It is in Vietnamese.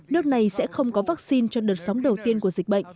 nước này sẽ không có vaccine cho đợt sóng đầu tiên của dịch bệnh